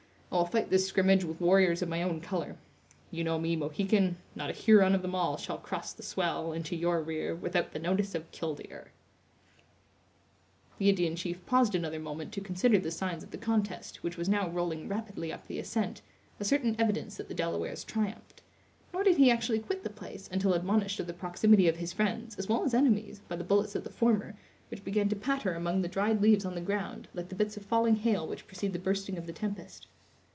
I will fight this scrimmage with warriors of my own color. You know me, Mohican; not a Huron of them all shall cross the swell, into your rear, without the notice of 'killdeer'." The Indian chief paused another moment to consider the signs of the contest, which was now rolling rapidly up the ascent, a certain evidence that the Delawares triumphed; nor did he actually quit the place until admonished of the proximity of his friends, as well as enemies, by the bullets of the former, which began to patter among the dried leaves on the ground, like the bits of falling hail which precede the bursting of the tempest.